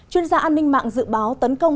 chuyên gia an ninh mạng dự báo tấn công